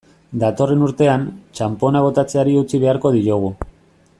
Datorren urtean, txanpona botatzeari utzi beharko diogu.